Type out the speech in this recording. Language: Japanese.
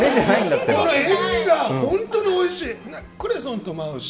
塩みが本当においしい。